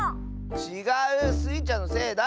ちがう！スイちゃんのせいだ！